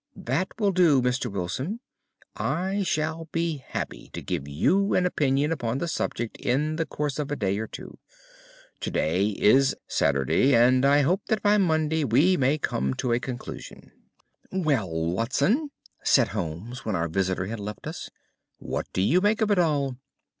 "That will do, Mr. Wilson. I shall be happy to give you an opinion upon the subject in the course of a day or two. To day is Saturday, and I hope that by Monday we may come to a conclusion." "Well, Watson," said Holmes when our visitor had left us, "what do you make of it all?"